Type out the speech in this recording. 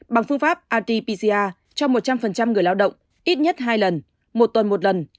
bằng phương pháp rt pcr cho một trăm linh người lao động ít nhất hai lần một tuần một lần